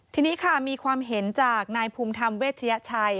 ทีนี้ค่ะมีความเห็นจากนายภูมิธรรมเวชยชัย